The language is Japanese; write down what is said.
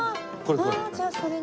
ああじゃあそれが。